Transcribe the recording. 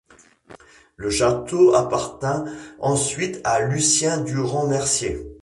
Le château appartint ensuite à Lucien Durand-Mercier.